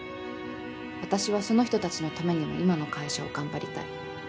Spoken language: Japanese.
私はその人たちのためにも今の会社を頑張りたい。